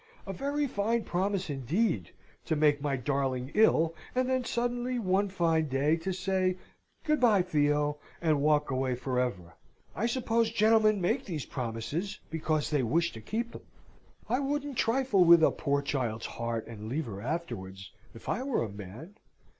"A very fine promise, indeed, to make my darling ill, and then suddenly, one fine day, to say, 'Good bye, Theo,' and walk away for ever. I suppose gentlemen make these promises, because they wish to keep 'em. I wouldn't trifle with a poor child's heart, and leave her afterwards, if I were a man.